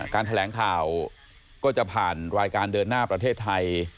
แถลงข่าวก็จะผ่านรายการเดินหน้าประเทศไทย